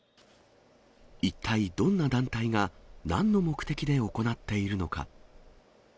一体どんな団体が、なんの目的で行っているのか。